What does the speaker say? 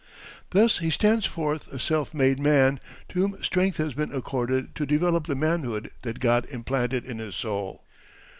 Thus he stands forth a self made man to whom strength has been accorded to develop the manhood that God implanted in his soul.